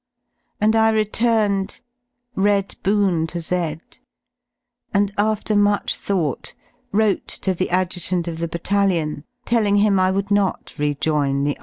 And I ."^ returned, read "Boon" to Z , and after much thought ^^^ wrote to the Adjutant of the Battalion telling him I would H not rejoin the